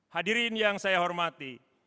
hadirin yang saya hormati